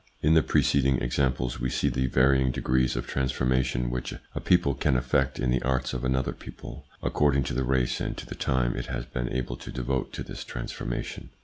In the preceding examples we see the varying degrees of transformation which a people can effect in the arts of another people, according to the race and to the time it has been able to devote to this transformation.